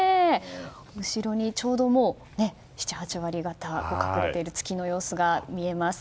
後ろにちょうど、７８割方隠れている月の様子が見えます。